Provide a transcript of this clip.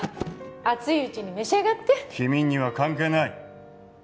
熱いうちに召し上がって君には関係ない！